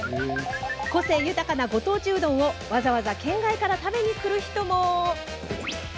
個性豊かな、ご当地うどんをわざわざ県外から食べに来る人も。